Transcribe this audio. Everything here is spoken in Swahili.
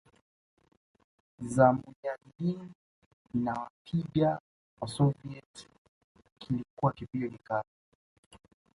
za Mujahideen inawapiga Wasoviet Kilikuwa kipigo kikali